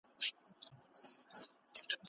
یوازې چټکتیا د تېروتنې لامل کېږي.